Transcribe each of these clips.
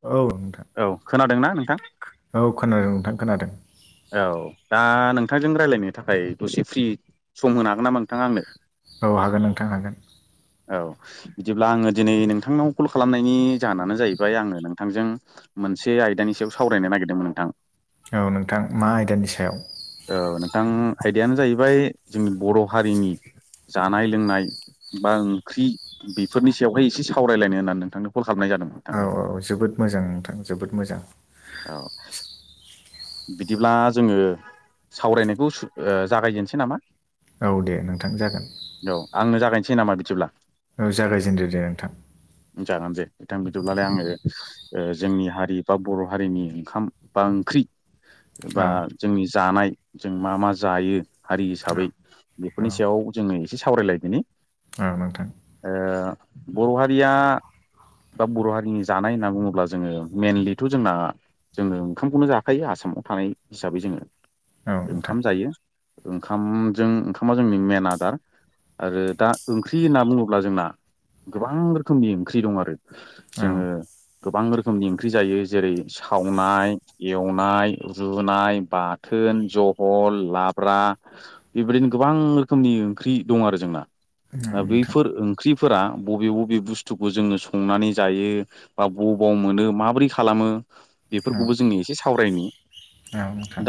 औ नोंथां औ खोनादोंना नोंथां? औ खोनादों नोंथां खोनादों। औ दा नोंथांजों रायलायनो थाखाय दसे फ्रि सम होनो हागोन नामा नोंथाङा आंनो? औ हागोन नोंथां हागोन। औ बिदिब्ला आङो दिनै नोंथांनाव कल खालामनायनि जाहोनानो जाहैबाय आङो नोंथांजों मोनसे आयदानि सायाव सावरायनो नागिरदोंमोन नोंथां। औ नोंथां मा आयदानि सायाव? ओ नोंथां आयदायानो जाहैबाय जोंनि बर' हारिनि जानाय लोंनाय बा ओंख्रि बेफोरनि सायावहाय एसे सावरायलायनो होननानै नोंथांनो कल खालामनाय जादों नोंथां औ औ जोबोद मोजां नोंथां जोबोद मोजां। औ। बिदिब्ला जोङो सावरायनायखौ सु ओ जागायजेननोसै नामा? औ दे नोंथां जागोन। थि नामा बिदिब्ला। औ जागायजेनदो दे नोंथां। जागान दे बिथां बिदिब्लालाय आङो ओ जोंनि हारि बा बर' हारिनि ओंखाम बा ओंख्रि औ बा जोंनि जानाय जों मा मा जायो हारि औ हिसाबै बेफोरनि सायाव जोङो एसे सावरायलाय दोनि। ओ। ओ बर' हारिया बा बर' हारिनि जानाय होनना बुङोब्ला जोङो मइेनलिथ' जोंना जोङो ओंखामखौनो जाखायो आसामाव थानाय हिसाबै जोङो। औ नोंथां ओंखाम जायो ओंखामजों ओंखामा जोंनि मेन आदार। आरो दा ओंख्रि होनना बुङोब्ला जोंना गोबां रोख रोखोमनि ओंख्रि दं आरो औ औ जोङो गोबां रोखोमनि ओंख्रि जायो जेरै सावनाय एवनाय रुनाय बाथोन जहल लाब्रा बेबायदिनो गोबां रोखोमनि ओंख्रि दं आरो जोंना दा नोंथां बैफोर ओंख्रिफोरा बबे बबे बुस बुस्थुखौ जोङो संनानै जायो बा बबाव मोनो माबोरै खालामो औ बेफोरखौबो जोंनि ए एसे सावरायनि।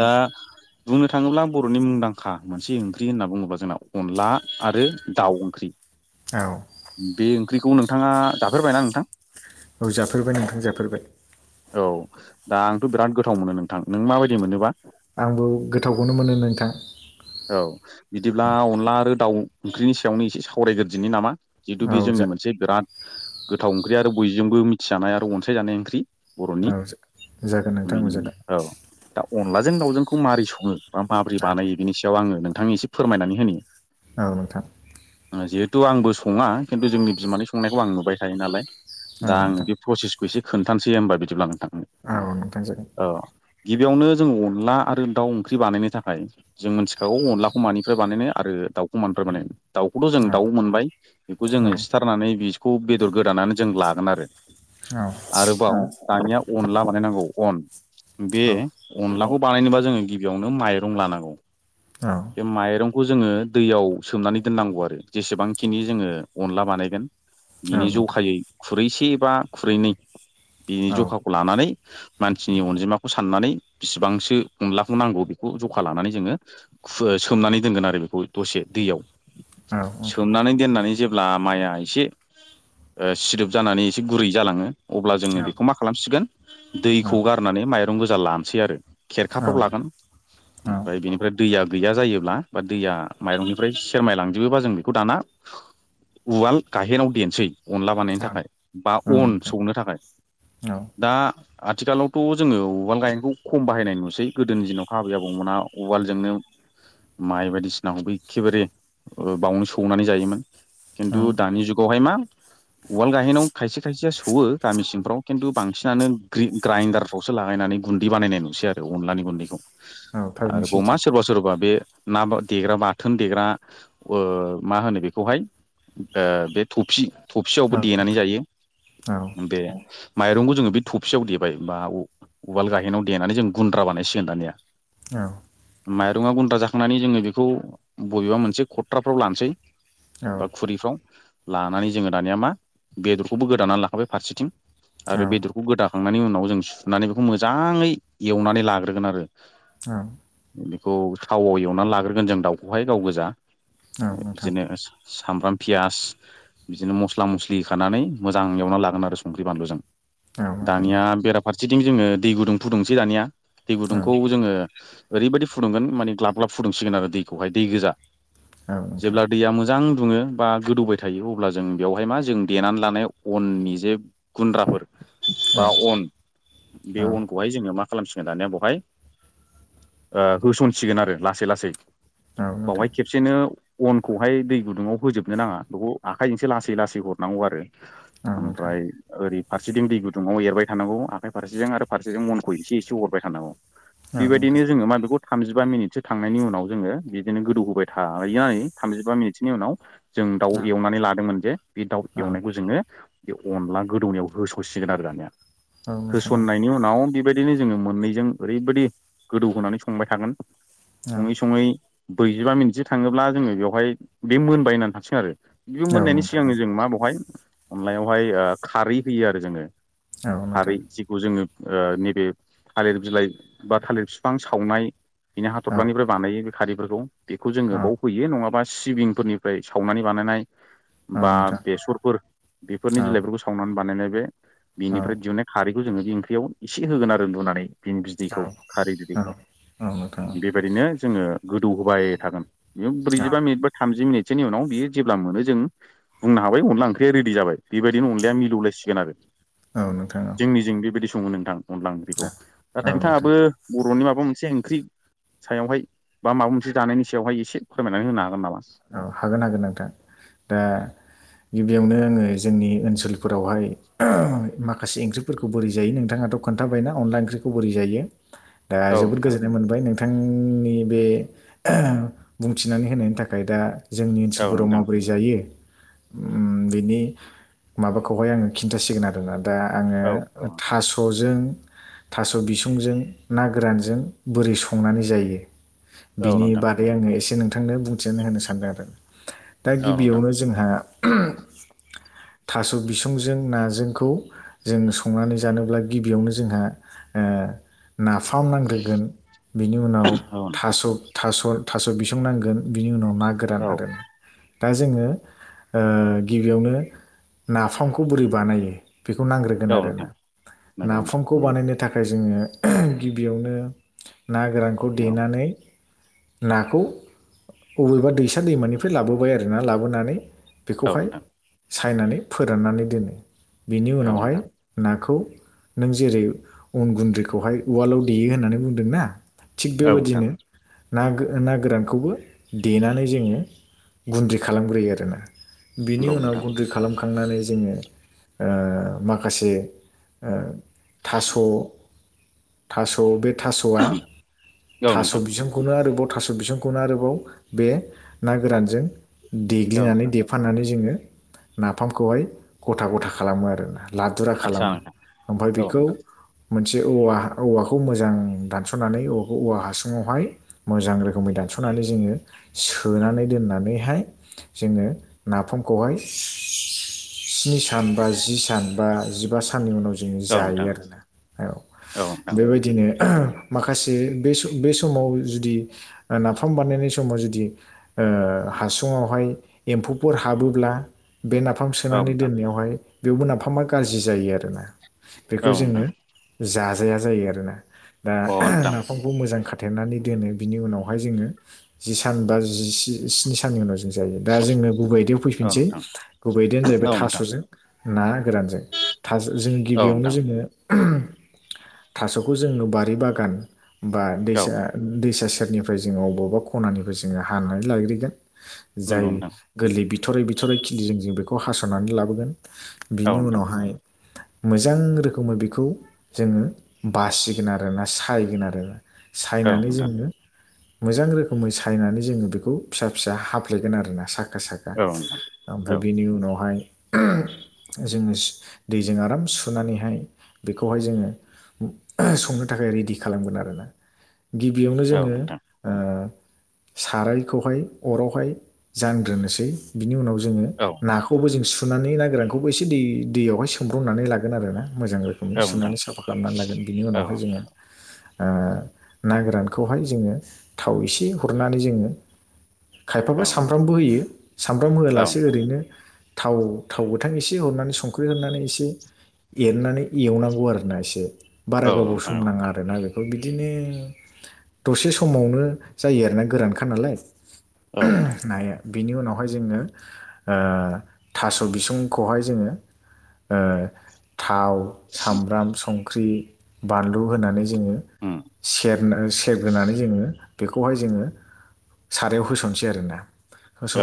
दा बुंनो थाङोब्लां बर'नि मुंदांखा मोनसे ओंख्रि होनना बुङोब्ला जोंना अनला आरो दाउ ओंख्रि। [unintelligible] बे ओंख्रिखौ नोंथाङा जाफेरबायना नोंथां? औ जाफेरबाय नोंथां जाफेरबाय। औ दा आंथ बिराद गोथाव मोनो नोंथां नों माबायदि मोनोबा? आंबो गोथावखौनो मोनो नोंथां औ बिदिब्ला अनला आरो दाउ ओंख्रिनि सायावनो एसे सावरायग्रदिनि नामा जिहेतु औ औ बे जोंनि जा मोनसे गराद गोथाव ओंख्रि आरो बयजोंबो मिथिजानाय आरो अनसायजानाय ओंख्रि बर'नि औ जा जागोन नोंथां औ बेनि जागोन औ दा अनलाजों दावजोंखौ माबोरै सङो बा माबोरै औ बानायो बिनि सायाव आङो नोंथांनि एसे फोरमायनानै होनो। औ नोंथां जिहेथु आंबो सङा खिन्थु जोंनि बिमानि संनायखौ आं नुबाय थायो नालाय औ दा आङो नोंथां बे प्रसेस एसे खोनथानोसै होमबा बिदिब्ला नोंथां। औ नोंथां जागोन औ गिबियावनो जोंङ अनला आरो दाउ ओंख्रि बानायनो थाखाय जों मिथिखागौ अनलाखौ मानिफ्राय बानायनो आरो। दाउखौ मोनद्राय मान दाउखौथमजों औ दाउ मोनबाय बेखौ जोङो औ सिथारनानै। बेखौ बेदर गोदानानानै जों लागोन आरो आरोबाव दानिया अनला बानाय नांगौ अन बे औ औ अनलाखौ बानायनोबा जोङो गिबियावनो माइरं लानांगौ औ बे माइरंखौ जोङो दैयाव सोमनानै दोननांगौ आरो जेसेबांखिनि जोङो अनला बानायगोन। बिनि नोंथां जखायै खुरैसे बा खुरैनै बिनि औ जखाखौ लानानै मानसिनि अनजिमाखौ साननानै बेसेबांसो हमलाखौ नांगौ बे जखा लानानै जोङो सोमनानै दोनगोन आरो बेखौ दसे दैयाव औ नोंथां सोमनानै दोननानै जेब्ला माइआ एसे सिदोब जानानै एसे गुरै जालाङो अब्ला जोङो औ बेखौ मा खालामसिगोन औ दैखौ गारनानै मायाव माइरं गोजा लानोसै आरो नोंथां औ खेरखाफ्राव लागोन। ओमफ्राय बेनिफ्राय दैया गैया जायोब्ला बा दैया माइरंनिफ्राय सेरमाय लांजोबोबा जों बेखौ दाना उवाल गाहेराव देनसै अनला बानायनो थाखाय बा अनला नोंथां सौनो थाखाय दा आथिखालावथ जोङो उवाल गायनायखौ खम बाहायनाय नुसै गोदोनि दिनाव हाबो जाबावमोना उवालजोंनो माइ बायदिसिनाखौबो एखेबारे बावनो सौनानै जायोमोन औ खिन्थु दानि जुग गहाय मा उवाल गाहेनाव खायसे खायसेया सौवो गामि सिंफ्राव खिन्थु बांसिनानो ग ग्राइन्दडार फफ्रावसो लााय नांगा गुन्दै बानायनाय नुसै आरो अनलानि गुन्दैखौ औ थारैनो आरो अमा सैथो सोरबा सोरबा बे ना देग्रा बाथोन देग्रा मा होनो बेखौहाय बे थफसि औ थफसियावबो देनानै थथु जायो औ बे माइरंखौ जोङो बे थबसेयाव देबाय बा उवाल गाहेनाव देनानै जों गुन्द्रा बानायसिगोन दानिया औ माइरंआ गुन्द्रा जाखांनानै जोङो बेखौ बबेबा मोनसे खथ्राफ्राव लानोसै औ बा खुरैफ्राव लानानै जोङो दानिया मा बेदरखौबो गोदानानै लाखाबाय फारसेथिं नोंथां औ नोंथां औ नोंथां औ आरो बेदरखौ गोदाखांनायनि उनाव जों सुनानै बेखौ मोजाङै एवनानै लाग्रोगोन आरो। बेखौ थावाव एवनानै लाग्रोगोन जों दाउखौहाय गाव गोजा नोंथां औ नोंथां औ नोंथां औ नोंथां औ नोंथां औ नोंथां औ नोंथां औ नोंथां औ बिदिनो सामब्राम पियास बिदिनो मस्ला मस्लि होखानानै मोजां एवनानै लागोन आरो संख्रि बानलुजों दानिया बेराफारसेथिं जोङो दै गुदुं फुदुंसै दानिया दै गुदुंखौ जोङो ओरै बायदि फुदुंगोन माने ग्लाब ग्लाब फुदुंसिगोन आरो दैखौहाय दै गोजा जेब्ला दैया मोजां दुङो बा गोदौबाय थायो अब्ला जों बेयाववहाय मा जों देनानै लानाय अननि जे गुन्द्राफोर बा अन बे अनखौहाय जोङो मा खालामसिगोन दानिया बेवहाय होसनसिगोन आरो लासै लासै बावहाय खेबसेनो अनखौहाय दै गुदुङाव होजोबनो नाङा। बेखौ आखाइजोंसो लासै लासै हरनांगौ आरो ओमफ्राय ओरै फारसेथिं दै गुदुङाव एरबाय थानांगौ आखाइ फारसेजों आरो फारसे मनखौसेसे हरबाय थानांगौ बेबायदिनो जों म थामजिबा मिनिटसो थांनायनि उनाव जोङो बिदिनो गोदौ होबाय थायो थामजिबा मिनिटसोनि उनाव जों दाउ एवनानै लादोंमोन जे बे दाउ एवनायखौ जोङो बे अनला गोदौनायाव होस'सिगोन आरो दानिया होसननायनि उनाव बे बेबायदिनो जोङो मोननैजों ओरैबायदि गोदौ होनानै संबाय थागोन सङै सङै ब्रैजिबा मिनिटसो थाङोब्ला जोङो बेवहाय बे मोनबाय होनानै थांसिगोन आरो बिबो मोननायनि सिगांनो जों मा बेवहाय अनलायावहाय खारै होयो आरो जोङो खारै जिखौ जोङो नैबे थालिर बिलाइ बा थालिर बिफां सावनाय बिनि हाथफ्लानिफ्राय बानायो बे खारैफोरखौ बेखौ जोङो बाव फैयो नङाबा सिबिंफोरनिफ्राय सावनानै बानायनाय बा बेसरफोर बेफोरनि बिलइफोरखौ सावनानै बानायनाय बे बिनिफ्राय दिहुननाय खारैखौ जोङो बे ओंख्रियाव एसे होगोन आरो लुनानै बिनि बिदैखौ खारै बिदैखौ बेबायदिनो जोङो गोदौ होबाय थागोन ब्रैजिबा मिनिट बा थामजि मिनिटसोनि उनाव बियो जेब्ला मोनो जों बुंनो हाबाय अनला ओंख्रिया रेडि जाबाय बेबायदिनो अनलाया मिलौलायसिगोन आरो नोंथाङा जोंनिजों बेबायदि सङो नोंथां अनला ओंख्रिखौ दा औ नोंथां नोंथाङाबो बर'नि माबा मोनसे ओंख्रि सायावहाय बा माबा मोनसे जानायनि सायावहाय एसे फोरमायनानै होनो हागोन नामा औ हागोन हागोन नोंथां दा गिबियावनो आङो जोंनि ओनसोलफोरावहाय माखासे ओंख्रिफोरखौ बोरै जायो नोंथाङा खोन्थाबाया अनला ओंख्रिखौ बोरै जायो दा औ जोबोद नोंथां गोजोननाय मोनबाय नोंथ नोंथांनि बे बुंथिनानै होनायनि थाखाय दा जोंनि औ ओनसोलफोराव नोंथां माबोरै जायो उम बिनि माबाखौहाय आङो खिन्थासिगोन आरोन दा आङो औ थास'जों थास' बिसुंजों ना गोरानजों बोरै संनानै जायो औ बिनि नोंथां बारै आङो एसे नोंथांनो बुंथिनानै होनो सानदों आरो दा औ नोंथां गिबियावनो जोंहा थास' बिसंजों नाजोंखौ जों संनानै जानोब्ला गिबियावनो जोंहा ओ नाफाम नांग्रोगोन बिनि उनाव औ नोंथां औ नोंथां थास'' थास'' थास' बिसं नांगोन बिनि उनाव ना गोरान औ आरो दा जोङो गिबियावनो नाफामखौ बोरै बानायो बेखौ नांग्रोगोन औ आरोना नोंथां नंगौ नोंथां नाफामखौ बानायनो थाखाय जोङो गिबियावनो ना गोरानखौ औ देनानै नाखौ अबेबा दैसा दैमानिफ्राय लाबोबाय आरो ना लाबोनानै औ बेखौहाय नोंथां सायनानै फोराननानै दोनो बेनि औ उनावहाय नोंथां नाखौ नों जेरै अन गुन्द्रिखौहाय उवालाव देयो होननानै बुंदों ना थिग औ नोंथां बेबायदिनो ना ना गोरानखौबो देनानै जो गुनदै खालामग्रो आरोना बिनि नंगौ उनाव नोंथां गुनदै खालामखांनानै ज जोङो ओ माखासे ओ थास' थास' बे थास'आ औ थास' नोंथां बिजोंखौनो आरोब थास' बिसंखौनो आरोबाव बे ना गोरानजों औ देग्लिनानै नोंथां देफानानै जोङो नाफामखौहाय गथा गथा खालामो आरोना लादुरा आदसा खालामो नोंथां ओमफफ्राय औ बेखौ नोंथां मोनसे औवा औवाखौ मोजां दानस'नानै औवा हासुङावहाय मोजां रोखोमै दान दानसनानै जोङो सोनानै दोननानैहाय जोङो नाफामखौहाय सि स्नि सान बा जि सान बा जिबा साननि उनाव ज बिदिनो औ नोंथां जायो आरोना सो औ बेबायदिनो ओह माखासे बे स बे समाव जुदि नाफाम बानायनाय समाव जुदि ओ हासुुं आवहाय एम्फौफोर हाबोब्ला बे नाफाम औ सोनानै नोंथां दोननायावहाय बेवबो नाफामा गाज्रि जायो आरो ना बेखौ औ नोंथां अ जोङो नोंथां जाजाया जायो आरोना ओ ओह दा औ नोंथां नाफामखौ मोजां खाथेरनानै दोनो बिनि उनावहाय जोङो जि सानबा ज जिसि स्नि साननि उनाव जों जायो दा जोंनो गुबै आयदियाव औ फैफिनसै गुबै आयददियानो जाहैबाय नोंथां थास'जों ना गोरानजों थासजों औ गिबियावनो नोंथां जोङो उम थास'खौ जोंनो बारि बागान बा औ दैसा दैसा से सेरनिफ्राय जोङो अबावबा खनानिफ्राय जोङो हानानै लायग्रिगोन स जाय नंगौ नोंथां गोरलै बिथरै बिथरै खिलिजों जों बेखौ हास'नानै लाबोगोन औ बिनि नोंथां उनावहाय मोजां रोखोमै बेखौ जोङो बासिगोन आरोना सायगोन आरो औ सायनानै नोंथां जोङो मोजां रोखोमै सायनानै ज जोङो बेखौ फिसा फिसा हाफ्लेगोन आरोना साय साखा साखा औ नोंथां ओमफाय औ बेनि उनावहाय उम जोङो दैजों आराम सुनानैहाय बेखौहाय जोङो ओह संनो थाखाय रेडि खालामगोन आरोना गिबियावनो औ जोङो नोंथां ओ सारायखौहाय अरावहाय जानग्रोनोसै बिनि उनाव जोङो औ नाखौबो जों सु नानै ना गोरानखौबो एसे दै दैयावहाय सोमब्रनानै लागोन आरोना मोजां रोखोमै औ नोंथां सुनानै साफा खालामनानै लागोन बिनि औ उनावहाय जोङो आ ना गोरानखौहाय जोङो थाव एसे हरनानै जोङो औ खायफाबा नोंथां सामब्रामबो होयो सामब्राम औ होआलासे ओरैनो थाव थाव गोथां एसे हरनानै संख्रि हरनानै एसे एरनानै एवनांगौ आरोना एसे बारा औ गोबाव नोंथां औ सम नाङा आरोना बेखौ बिदिनो दसे समावनो जायो आरोना गोरानखा नालाय औ नोंथां उम नाया बिनि उनावहाय जोङो ओ थास' बिसुंखौहाय जोङो ओ थाव सामब्राम संख्रि बानलु होनानै ज जोङो उम सेरना सेरग्रोनानै जोङो बेखौहाय जोङो सारायाव होसनसै आरोना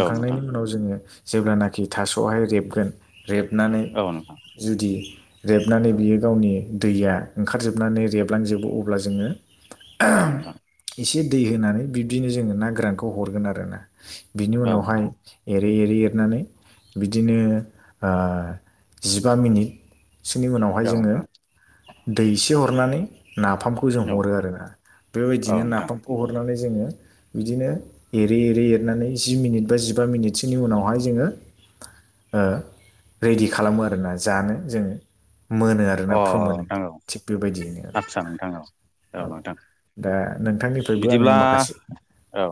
औ नोंथां उनाव जोङो जेब्लानाखि थास'आवहाय रेबगोन रेबनानै औ नोंथां जुदि रेबनानै बियो गावनि दैया ओंखारजोबनानै रेबलांजोबो अब्ला जोङो ओह औ नोंथां एसे दै होनानै बिब्दिनो जोङो ना गोरानखौ हरगोन आरोना बिनि औ नोंथां उनावहाय बे एर एरै एरै एरनानै बिदिनो ओ जिबा मिनिट सोनि उनावहाय औ जोङो नोंथां दै एसे हरनानै नाफामखौ जों औ हरो नोंथां आरो ना अ बेबायदिनो नाफामखौ हरनानै जो जोंओ बिदिनो एरै एरै एरनानै जि मिनिट बा जिबा मिनिटसोनि उनावहाय जोङो ओ रेडि खालामो आरोना जानो जोङो मोनो आरोना फोमोनो नोंथां औ थिग बेबायदियैनो आदसा नोंथां औ औ दा नोंथांनिफ्रायबो आङो बिदिब्ला माखासे औ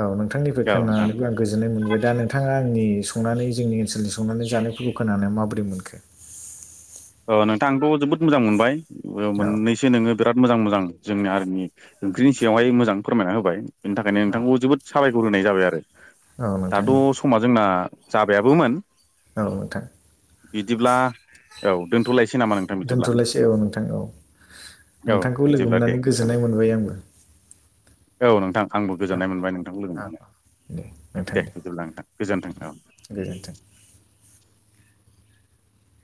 औ नोंथांनिफ्राय नोंथां खोनानानैबो आं गोजोननाय मोनबाय दा नोंथाङा आंनि संनानै जोंनि ओनसोलनि संनानै जानायफोरखौ खोनानाय माबोरै मोनखो? ओ नोंथांंथ' जोबोद मोजां मोनबाय ओ औ मोननैसो नोङो बिराद मोजां मोजां जोंना आरो नि ओंख्रिनि सायावहाय मोजां फोरमायना होबाय बेनि थाखायनो औ नोंथांखौ जोबोद साबायखर होनाय जाबाय आरो औ नोंथां दाथ' औ समा जोंना जाबायाबोमोन औ नोंथां बिदिब्ला औ दोनथ'लायस [unintelligible] नोंथांखौ औ लोगो बिदिब्ला दे मोननानै नोंथां गोजोननाय मोनबाय आंबो औ नोंथां आंबो औ गोजोननाय मोनबाय नोंथांखौ लोगो औ औ मोनानै दे बिदिब्ला नोंथां गोजोन्थों औ बेजोनथों।